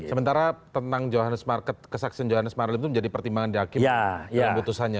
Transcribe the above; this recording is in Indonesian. sementara tentang kesaksian johannes smarlem itu menjadi pertimbangan di hakim dalam keputusannya